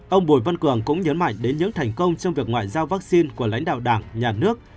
ông bùi văn cường cũng nhấn mạnh đến những thành công trong việc ngoại giao vaccine của lãnh đạo đảng nhà nước